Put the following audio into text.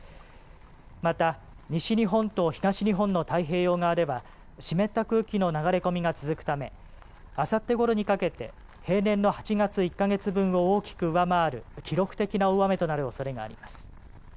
また西日本と東日本の太平洋側では湿った空気の流れ込みが続くため、あさってごろにかけて平年の８月１か月分を大きく上回る記録的な大雨となるおそれがあります。